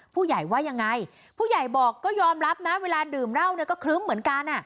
ผู้ใหญ่ว่ายังไงผู้ใหญ่บอกก็ยอมรับนะเวลาดื่มเหล้าเนี่ยก็ครึ้มเหมือนกัน